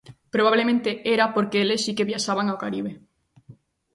Probablemente era porque eles si que viaxaban ao Caribe.